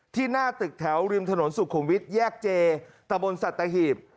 หน้าตึกแถวริมถนนสุขุมวิทย์แยกเจตะบนสัตหีบ